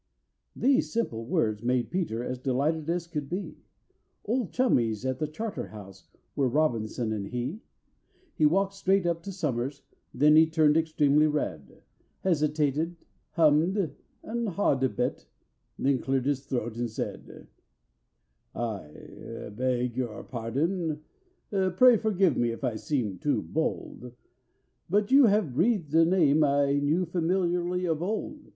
These simple words made PETER as delighted as could be, Old chummies at the Charterhouse were ROBINSON and he! He walked straight up to SOMERS, then he turned extremely red, Hesitated, hummed and hawed a bit, then cleared his throat, and said: "I beg your pardon—pray forgive me if I seem too bold, But you have breathed a name I knew familiarly of old.